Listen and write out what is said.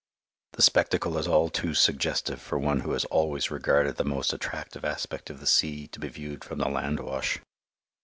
The spectacle is all too suggestive for one who has always regarded the most attractive aspect of the sea to be viewed from the landwash.